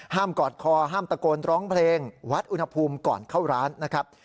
กอดคอห้ามตะโกนร้องเพลงวัดอุณหภูมิก่อนเข้าร้านนะครับ